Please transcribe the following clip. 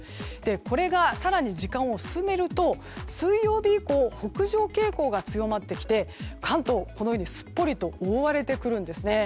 これが更に時間を進めると水曜日以降北上傾向が強まってきて関東、すっぽりと覆われてくるんですね。